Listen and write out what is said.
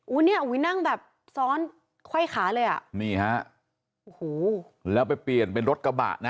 เนี้ยอุ้ยนั่งแบบซ้อนไขว้ขาเลยอ่ะนี่ฮะโอ้โหแล้วไปเปลี่ยนเป็นรถกระบะนะ